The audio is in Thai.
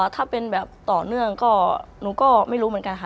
ถ้าเป็นแบบต่อเนื่องก็หนูก็ไม่รู้เหมือนกันค่ะ